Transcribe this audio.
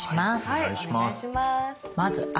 はいお願いします。